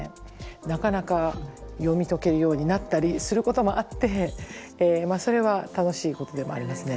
なかなか読み解けるようになったりすることもあってまあそれは楽しいことでもありますね。